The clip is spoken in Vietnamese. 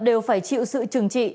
đều phải chịu sự trừng trị